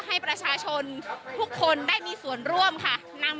ให้ประชาชนทุกคนได้มีส่วนร่วมค่ะ